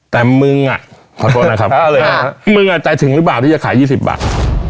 แต่มึงอ่ะขอโทษนะครับมึงอ่ะใจถึงหรือเปล่าที่จะขาย๒๐บาท